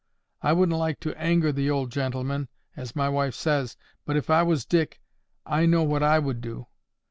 I wouldn't like to anger the old gentleman, as my wife says; but if I was Dick, I know what I would do.